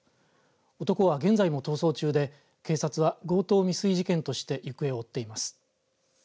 男は現在も逃走中で警察は強盗未遂事件として行方を追っています。